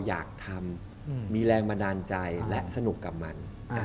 อยากทำมีแรงบันดาลใจและสนุกกับมัน